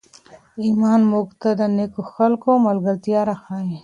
ایمان موږ ته د نېکو خلکو ملګرتیا راښیي.